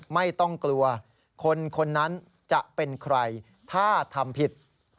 ไม่ต้องกลัวคนคนนั้นจะเป็นใครถ้าทำผิด